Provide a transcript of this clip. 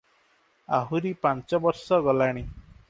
ଆହୁରି ପାଞ୍ଚବର୍ଷ ଗଲାଣି ।